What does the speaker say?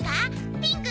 ピンク？